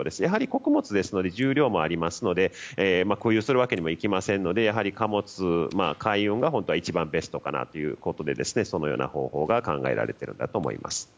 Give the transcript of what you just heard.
穀物ですので重量もありますので空輸するわけにもいきませんので海運が本当は一番ベストかなということでそのような方法が考えられていると思います。